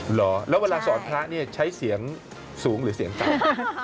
เหรอแล้วเวลาสอนพระเนี่ยใช้เสียงสูงหรือเสียงต่ำ